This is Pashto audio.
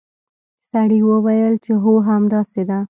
سړي وویل چې هو همداسې ده.